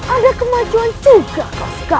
ada kemajuan juga raskar